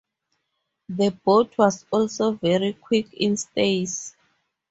The boat was also very quick in stays.